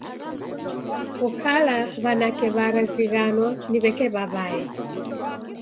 Ko kala w'anake w'arazighanwa ni w'eke w'aw'ae.